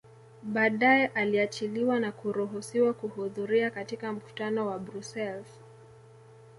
Badae aliachiliwa na kuruhusiwa kuhudhuria katika mkutano wa Brussels